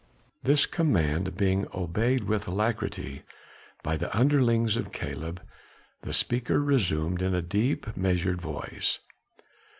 This command being obeyed with alacrity by the underlings of Caleb, the speaker resumed in a deep measured voice.